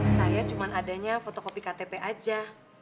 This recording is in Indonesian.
saya cuma adanya fotokopi ktp aja